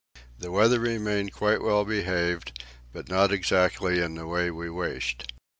The weather remained quite well behaved, but not exactly in the way we wished.